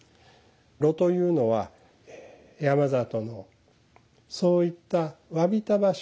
炉というのは山里のそういった侘びた場所